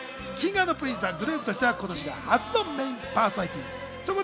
Ｋｉｎｇ＆Ｐｒｉｎｃｅはグループとしては今年が初のメインパーソナリティー。